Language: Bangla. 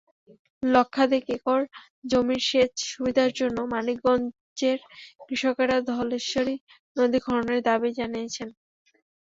লক্ষাধিক একর জমির সেচ-সুবিধার জন্য মানিকগঞ্জের কৃষকেরা ধলেশ্বরী নদী খননের দাবি জানিয়েছেন।